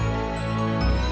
saya akan berterima kasih